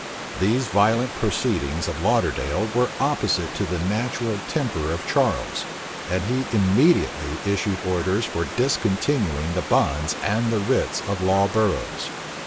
These violent proceedings of Lauderdale were opposite to the natural temper of Charles and he immediately issued orders for discontinuing the bonds and the writs of law burrows.